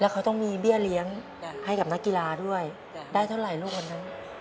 ก็เอาให้ไม่หมดค่ะ